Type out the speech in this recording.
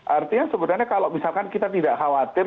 artinya sebenarnya kalau misalkan kita tidak khawatir